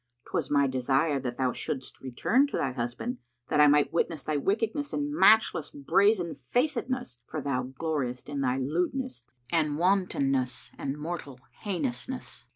'Twas my desire that thou shouldst return to thy husband, that I might witness thy wickedness and matchless brazenfacedness; for thou gloriest in thy lewdness and wantonness and mortal heinousness."